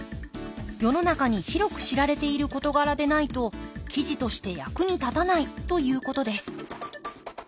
世の中に広く知られている事柄でないと記事として役に立たないということです。